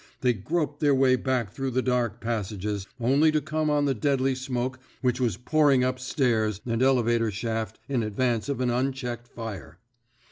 They groped their way back through the dark passages, only to come on the deadly smoke which was pouring up stairs and elevator shaft in advance of an unchecked fire.